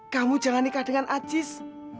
kamu jangan nikah dengan ajis